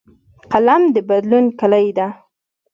قلم د بدلون کلۍ ده